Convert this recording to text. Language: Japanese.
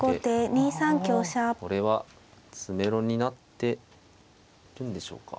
これは詰めろになっているんでしょうか。